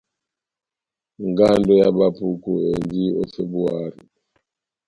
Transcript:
Ngando ya Bapuku endi ó Febuari.